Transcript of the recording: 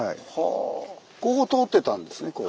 ここ通ってたんですねこう。